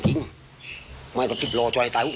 ไม่ใช่คนฉันจะฌัดมานุษย์